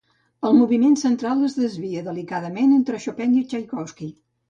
El moviment central es desvia delicadament entre Chopin i Txaikovski.